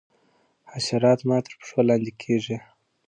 حشرات زما تر پښو لاندي کیږي.